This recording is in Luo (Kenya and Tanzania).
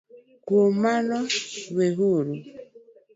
Kuom mano, weuru